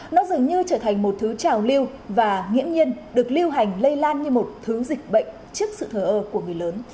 nó dường như trở thành một thứ trào lưu và nghiễm nhiên được lưu hành lây lan như một thứ dịch bệnh trước sự thờ ơ của người lớn